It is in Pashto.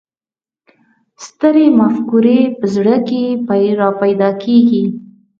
سترې مفکورې په زړه کې را پیدا کېږي.